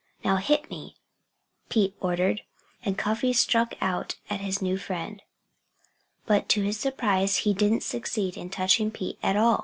"Now hit me!" Pete ordered. And Cuffy struck out at his new friend. But to his surprise he didn't succeed in touching Pete at all.